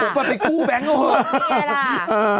หัวเป้อไปกู้แบงค์ไปเวิร์ค